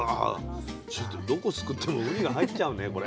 ちょっとどこすくってもウニが入っちゃうねこれ。